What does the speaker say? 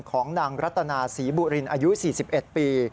ของนางรัตนาศรีบุรินอายุ๔๑ปี